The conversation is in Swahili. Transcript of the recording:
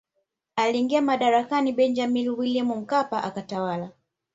Aliingia madarakani Benjamini Williamu Mkapa akatawala